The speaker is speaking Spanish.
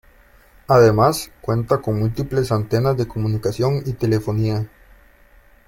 Además cuenta con múltiples antenas de comunicación y telefonía.